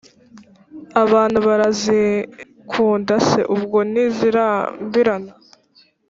abantu barazikunda se ubwo ntizirambirana?